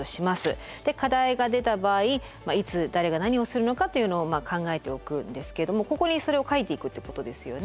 課題が出た場合いつ誰が何をするのかというのをまあ考えておくんですけれどもここにそれを書いていくっていうことですよね。